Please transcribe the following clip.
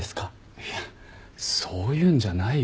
いやそういうんじゃないよ。